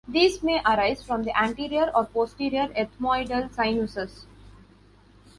These may arise from the anterior or posterior ethmoidal sinuses.